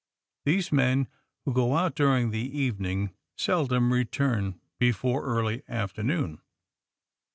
These men, who go out during the even ing, seldom return before early afternoon.